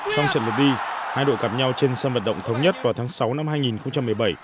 trong trận lượt đi hai đội gặp nhau trên sân vận động thống nhất vào tháng sáu năm hai nghìn một mươi bảy